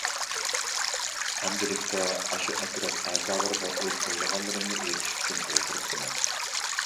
ئەمدىلىكتە، ئاشۇ ئەترەت ئەزالىرىغا ئۆز ئويلىغانلىرىمنى ئېيتىش ئۈچۈن ئولتۇرۇپتىمەن.